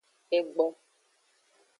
Egbo.